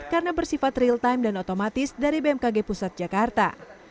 karena bersifat real time dan otomatis dari bmkg pusat jakarta